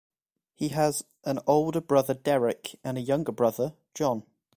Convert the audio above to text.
He has an older brother, Derek, and a younger brother, John.